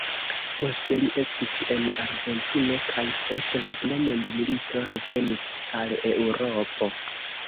Poste li estis en Argentino kaj post la Dua Mondmilito revenis al Eŭropo.